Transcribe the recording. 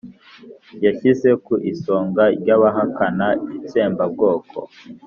yanshyize ku isonga ry'abahakana itsembabwoko